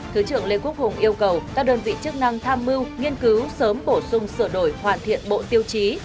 thứ trưởng lê quốc hùng yêu cầu các đơn vị chức năng tham mưu nghiên cứu sớm bổ sung sửa đổi hoàn thiện bộ tiêu chí